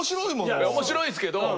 いや面白いですけど。